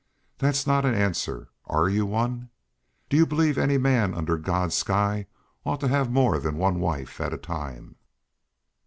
"That's not an answer. Are you one? Do you believe any man under God's sky ought to have more than one wife at a time?"